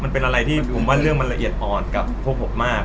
มันเป็นอะไรที่เรื่องมันระเอียดอ่อนกับผู้ผู้มาก